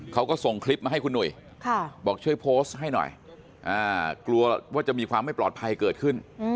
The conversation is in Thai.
เขาก็ส่งคลิปมาให้คุณหนุ่ยบอกช่วยโพสต์ให้หน่อยกลัวว่าจะมีความไม่ปลอดภัยเกิดขึ้น